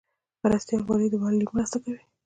مرستیال والی د والی مرسته کوي